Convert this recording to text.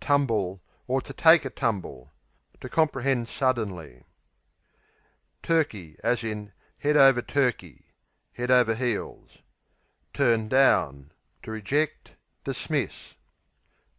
Tumble to, or to take a tumble To comprehend suddenly. Turkey, head over Head over heels. Turn down To reject; dismiss.